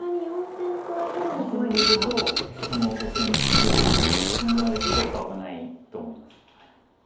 ４線ツグとそこの５線出て取られてちょっと危ないと思います。